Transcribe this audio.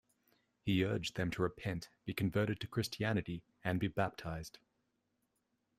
He urged them to repent, be converted to Christianity, and be baptized.